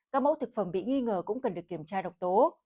các mẫu thực phẩm bị nghi ngờ cũng cần được kiểm tra độc tố